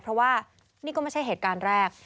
เพราะว่านี่ก็ไม่ใช่เหตุการณ์แรก